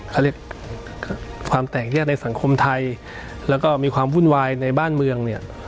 เขาเรียกความแตกแยกในสังคมไทยแล้วก็มีความวุ่นวายในบ้านเมืองเนี่ย